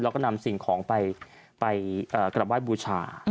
แล้วก็นำสิ่งของไปไปเอ่อกลับไว้บูชาอืม